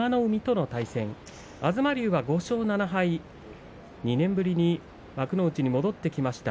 東龍は５勝７敗、２年ぶりに幕内に戻ってきました。